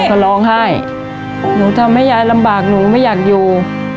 ก็ร้องไห้หนูทำให้ยายลำบากหนูไม่อยากอยู่